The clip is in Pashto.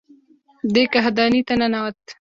دی کاهدانې ته ننوت.